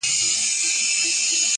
ماسومان ترې وېرېږي تل,